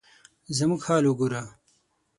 زموږ حال وګوره ؟